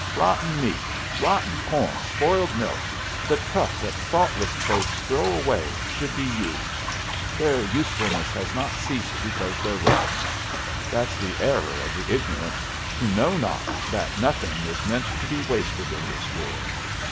"Rotten meat, rotten corn, spoiled milk, the truck that thoughtless folks throw away, should be used. Their usefulness has not ceased because they're rotten. That's the error of the ignorant, who know not that nothing is meant to be wasted in this world.